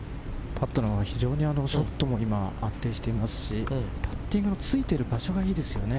非常にショットも今安定していますしパッティングついている場所がいいですよね。